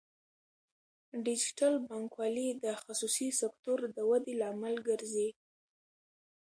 ډیجیټل بانکوالي د خصوصي سکتور د ودې لامل ګرځي.